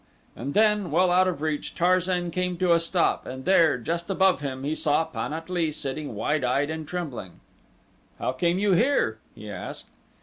And then, well out of reach, Tarzan came to a stop and there, just above him, he saw Pan at lee sitting, wide eyed and trembling. "How came you here?" he asked.